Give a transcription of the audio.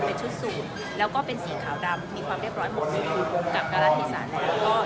เป็นชุดศูนย์แล้วก็เป็นสีขาวดำมีความเรียบร้อยหมดด้วยกับกรรทัยศาสตร์